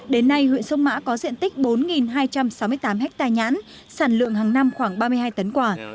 đến nay huyện sông mã có diện tích bốn hai trăm sáu mươi tám hectare nhãn sản lượng hàng năm khoảng ba mươi hai tấn quả